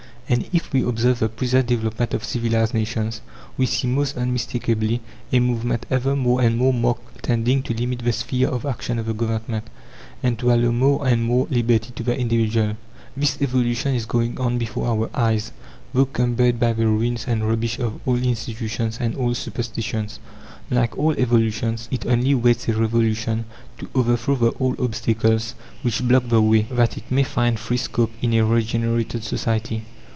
And, if we observe the present development of civilized nations, we see, most unmistakably, a movement ever more and more marked tending to limit the sphere of action of the Government, and to allow more and more liberty to the individual. This evolution is going on before our eyes, though cumbered by the ruins and rubbish of old institutions and old superstitions. Like all evolutions, it only waits a revolution to overthrow the old obstacles which block the way, that it may find free scope in a regenerated society.